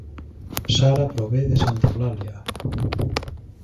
Sara prové de Santa Eulàlia